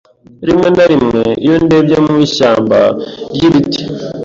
Rimwe na rimwe, iyo ndebye mu ishyamba ryibiti,